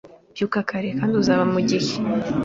Byuka kare, kandi uzaba mugihe